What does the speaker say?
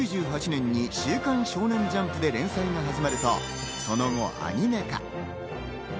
１９９８年に『週刊少年ジャンプ』で連載が始まると、その後、アニメ化。